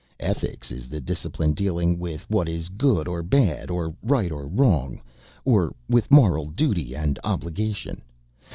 "Ethics is the discipline dealing with what it good or bad, or right or wrong or with moral duty and obligation.